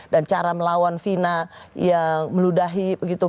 dan cara melawan fina yang meludahi begitu